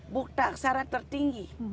buta aksara tertinggi